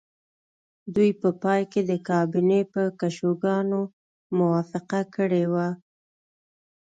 دوی په پای کې د کابینې په کشوګانو موافقه کړې وه